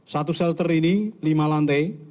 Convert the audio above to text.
satu shelter ini lima lantai